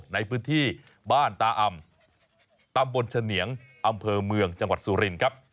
ในพื้นที่บ้านตาอำตำบลเฉนียงอำเภอเมืองจังหวัดสุรินครับ